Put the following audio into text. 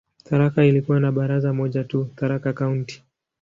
Tharaka ilikuwa na baraza moja tu, "Tharaka County".